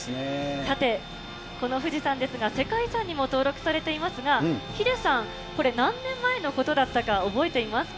さて、この富士山ですが、世界遺産にも登録されていますが、ヒデさん、これ、何年前のことだったか、覚えていますか？